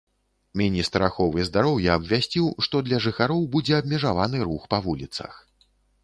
Міністр аховы здароўя абвясціў, што для жыхароў будзе абмежаваны рух па вуліцах.